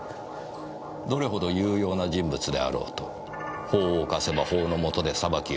どれほど有用な人物であろうと法を犯せば法の下で裁きを受ける。